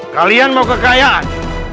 kalian mau kekayaan